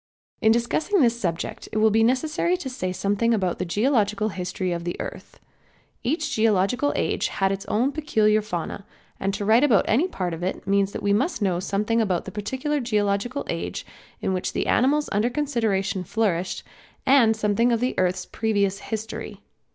In discussing this subject it will be necessary to say something about the geological history of the earth. Each geological age had its own peculiar fauna, and to write about any part of it means that we must know something about the particular geological age in which the animals under consideration flourished, and something of the earth's previous history.